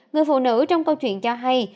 người phụ nữ trong câu chuyện cho hay